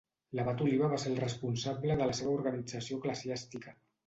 L'Abat Oliba va ser el responsable de la seva organització eclesiàstica.